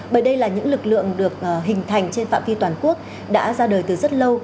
bởi đây là những lực lượng được hình thành trên phạm vi toàn quốc đã ra đời từ rất lâu